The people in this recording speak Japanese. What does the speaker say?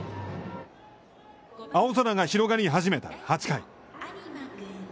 青空が広がり始めた８回。